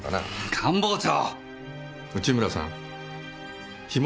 官房長。